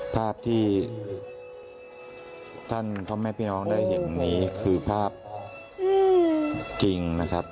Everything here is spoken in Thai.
ภาพที่ท่านพ่อแม่พี่น้องได้เห็นนี้คือภาพจริงนะครับ